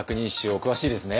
お詳しいですね。